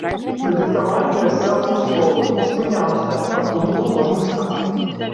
Пры дыктаванні расцягваў словы, спыняўся, абдумваў кожны сказ.